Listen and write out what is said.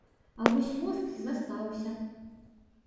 А вось мост застаўся.